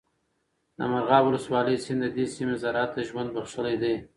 د مرغاب ولسوالۍ سیند د دې سیمې زراعت ته ژوند بخښلی دی.